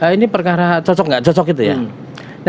ini perkara cocok nggak cocok itu ya